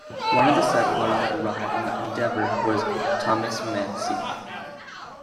One of the settlers that arrived on the "Endeavor" was Thomas Massey.